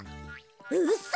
うそ！